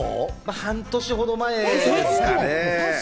半年ほど前に。